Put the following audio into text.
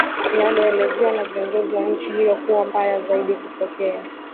linaloelezwa na viongozi wa nchi hiyo kuwa mbaya zaidi kutokea